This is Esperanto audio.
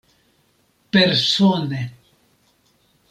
Persone.